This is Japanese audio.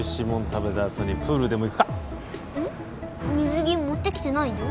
食べたあとにプールでも行くかえっ水着持ってきてないよ